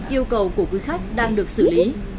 yêu cầu của quý khách đang được xử lý